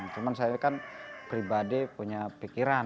cuma saya kan pribadi punya pikiran